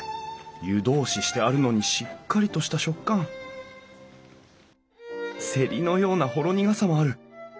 湯通ししてあるのにしっかりとした食感セリのようなほろ苦さもある！